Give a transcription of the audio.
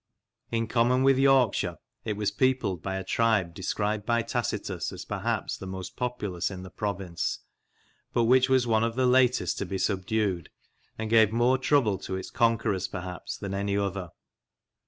In common with Yorkshire, it was peopled by a tribe described by Tacitus as perhaps the most populous in the province, but which was one of the latest to be subdued, and gave more trouble to its conquerors, perhaps, than any other.